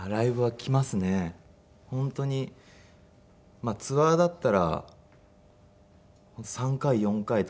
本当にツアーだったら３回４回とか。